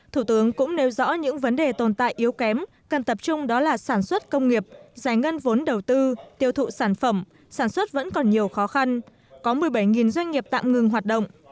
thủ tướng cũng nêu rõ những vấn đề tồn tại yếu kém cần tập trung đó là sản xuất công nghiệp giải ngân vốn đầu tư tiêu thụ sản phẩm sản xuất vẫn còn nhiều khó khăn có một mươi bảy doanh nghiệp tạm ngừng hoạt động